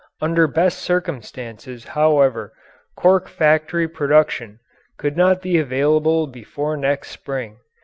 Under best circumstances however Cork factory production could not be available before next spring.